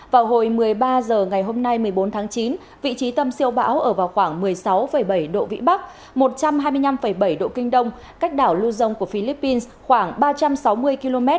vào hồi một mươi ba h ngày hôm nay một mươi bốn tháng chín vị trí tâm siêu bão ở vào khoảng một mươi sáu bảy độ vĩ bắc một trăm hai mươi năm bảy độ kinh đông cách đảo lưu dông của philippines khoảng ba trăm sáu mươi km